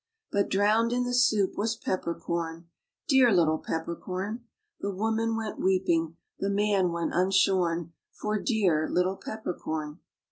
But drowned in the soup was Pepper Corn, Dear little Pepper Corn ! The woman went weeping, the man went unshorn For dear little Pepper Corn.